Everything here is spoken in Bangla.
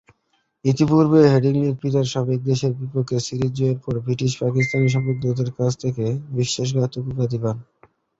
এরপূর্বে হেডিংলিতে পিতার সাবেক দেশের বিপক্ষে সিরিজ জয়ের পর ব্রিটিশ পাকিস্তানি সমর্থকদের কাছ থেকে বিশ্বাসঘাতক উপাধি পান।